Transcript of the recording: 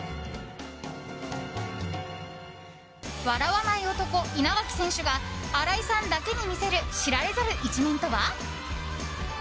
笑わない男・稲垣選手が新井さんだけに見せる知られざる一面とは？